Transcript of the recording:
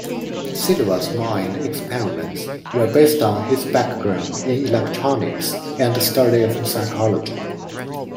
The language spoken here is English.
Silva's mind experiments were based on his background in electronics and study of psychology.